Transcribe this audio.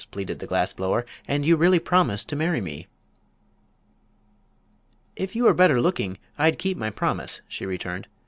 pleaded the glass blower; "and you really promised to marry me." "If you were better looking I'd keep my promise," she returned.